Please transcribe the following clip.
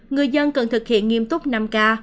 người dân cần thực hiện nghiêm túc năm ca